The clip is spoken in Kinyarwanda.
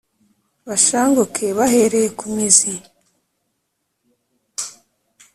bashanguke bahereye ku mizi,